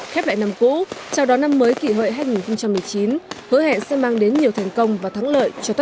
khép lại năm cũ trao đón năm mới kỳ hợi hai nghìn một mươi chín hứa hẹn sẽ mang đến nhiều thành công và thắng lợi cho tất cả mọi người